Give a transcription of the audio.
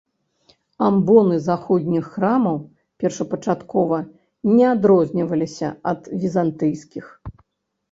Амбоны заходніх храмаў першапачаткова не адрозніваліся ад візантыйскіх.